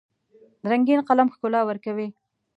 رنګین قلم ښکلا ورکوي.